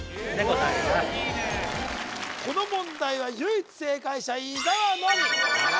この問題は唯一正解者伊沢のみ伊沢